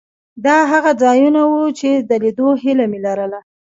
دا هغه ځایونه وو چې د لیدو هیله مې لرله.